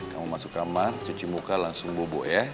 kamu masuk kamar cuci muka langsung bobo ya